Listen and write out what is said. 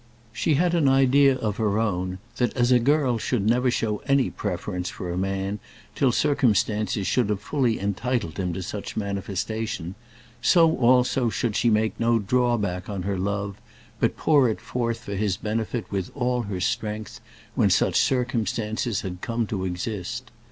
She had an idea of her own, that as a girl should never show any preference for a man till circumstances should have fully entitled him to such manifestation, so also should she make no drawback on her love, but pour it forth for his benefit with all her strength, when such circumstances had come to exist.